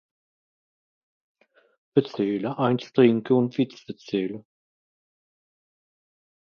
Boire quelque chose Suite pas compréhensible